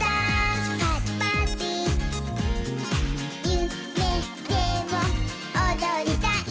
「ゆめでもおどりたい」